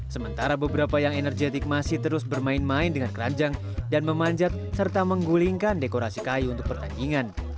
sementara beberapa yang energetik masih terus bermain main dengan keranjang dan memanjat serta menggulingkan dekorasi kayu untuk pertandingan